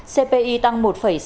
cpi tăng một sáu mươi bốn